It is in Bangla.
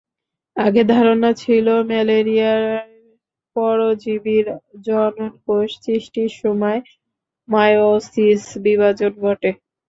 আগে ধারণা ছিল ম্যালেরিয়ার পরজীবীর জননকোষ সৃষ্টির সময় মায়োসিস বিভাজন ঘটে।